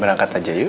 berangkat aja yuk